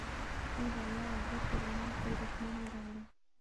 دوی د الله اکبر په ناره پر دښمن ورغلل.